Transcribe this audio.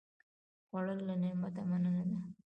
خوړل له نعمته مننه ده